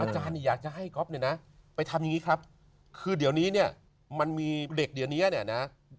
อาจารย์อยากจะให้ก๊อบไปทำอย่างนี้ครับคือเดี๋ยวนี้เนี่ยมันมีเหล็กเดี๋ยวเนี่ยนะ